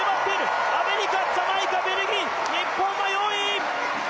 アメリカ、ジャマイカ、ベルギー日本は４位！